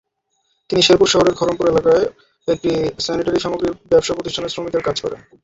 তিনি শেরপুর শহরের খরমপুর এলাকার একটি স্যানেটারিসামগ্রীর ব্যবসাপ্রতিষ্ঠানে শ্রমিকের কাজ করেন।